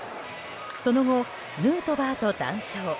その後、ヌートバーと談笑。